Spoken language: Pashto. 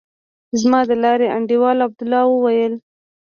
زما د لارې انډيوال عبدالله وويل.